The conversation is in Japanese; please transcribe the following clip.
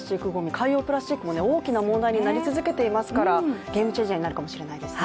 海洋プラスチックも大きな問題になり続けていますからゲームチェンジャーになるかもしれないですね